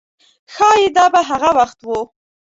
ښایي دا به هغه وخت و.